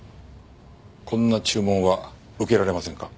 こんな注文は受けられませんか？